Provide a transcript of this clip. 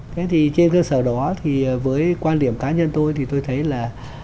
thế thì trên cơ sở đó thì với quan điểm cá nhân tôi thì tôi thấy là